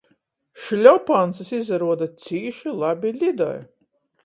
Šļopancys, izaruoda, cīši labi lidoj.